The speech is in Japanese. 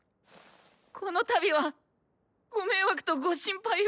この度はご迷惑とご心配を。